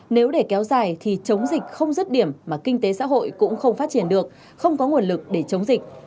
nếu để kéo dài thì chống dịch không rứt điểm mà kinh tế xã hội cũng không phát triển được không có nguồn lực để chống dịch